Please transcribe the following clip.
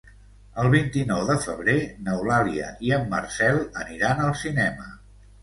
El vint-i-nou de febrer n'Eulàlia i en Marcel aniran al cinema.